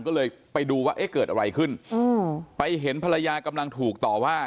ก็เลยไปดูว่าเอ๊ะเกิดอะไรขึ้นอืมไปเห็นภรรยากำลังถูกต่อว่า